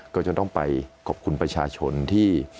ก็จะต้องไปขอบคุณประชาชนที่